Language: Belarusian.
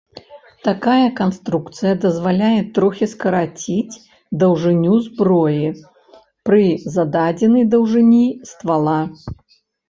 Такая канструкцыя дазваляе трохі скараціць даўжыню зброі пры зададзенай даўжыні ствала.